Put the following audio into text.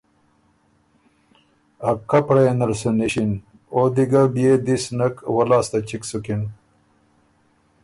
ا کپړئ یه نل سُو نِݭن۔ او دی ګۀ بيې دِس نک، وۀ لاسته چِګ سُکِن